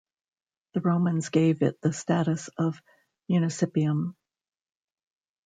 The Romans gave it the status of "municipium".